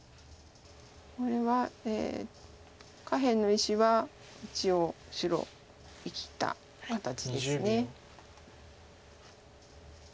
これは下辺の石は一応白生きた形です。